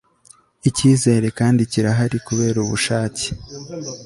icyizere kandi kirahari kubera ubushake